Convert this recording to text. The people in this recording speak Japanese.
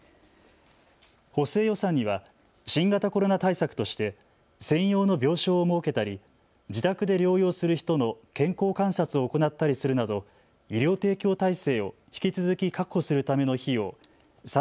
補正予算には新型コロナ対策として専用の病床を設けたり自宅で療養する人の健康観察を行ったりするなど医療提供体制を引き続き確保するための費用